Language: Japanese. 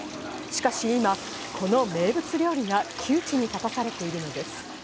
しかし今この名物料理が窮地に立たされているのです。